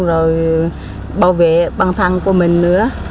rồi bảo vệ băng thăng của mình nữa